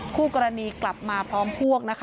คู่กรณีกลับมาพร้อมพวกนะคะ